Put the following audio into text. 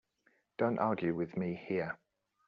Don't argue with me here.